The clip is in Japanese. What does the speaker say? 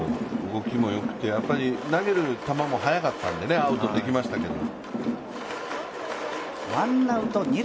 動きもよくて、投げる球も速かったんでアウトにできましたけど。